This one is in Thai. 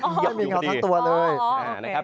ไม่มีเงาทั้งตัวเลย